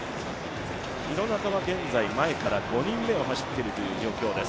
廣中は現在前から５人目を走っているという状況です。